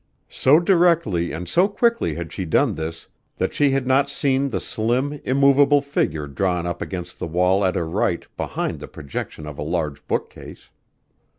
So directly and so quickly had she done this that she had not seen the slim, immovable figure drawn up against the wall at her right behind the projection of a large bookcase.